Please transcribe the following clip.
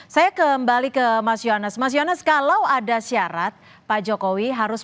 saya kembali ke mas yonas mas yonas kalau ada syarat pak jokowi harus